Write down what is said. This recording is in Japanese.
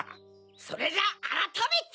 それじゃああらためて。